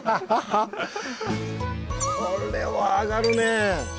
これは上がるね！